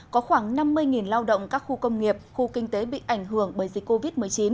có khoảng năm mươi lao động các khu công nghiệp khu kinh tế bị ảnh hưởng bởi dịch covid một mươi chín